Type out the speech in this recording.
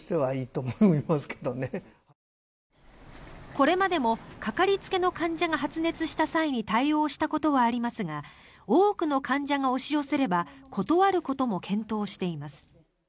これまでもかかりつけの患者が発熱した際に対応したことはありますが多くの患者が押し寄せれば断ることも検討しています。